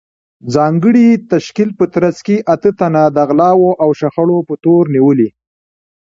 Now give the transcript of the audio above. ځانګړې تشکیل په ترڅ کې اته تنه د غلاوو او شخړو په تور نیولي